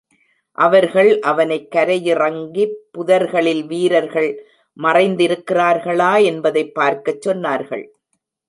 அவர்கள் அவனைக் கரையிறங்கிப் புதர்களில் வீரர்கள் மறைந்திருக்கிறார்களா என்பதைப் பார்க்கச் சொன்னார்கள்.